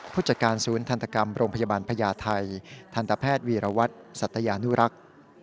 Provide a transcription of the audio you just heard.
ผู้จัดการศูนย์ทันตกรรมโรงพยาบาลพญาไทยทันตแพทย์วีรวัตรสัตยานุรักษ์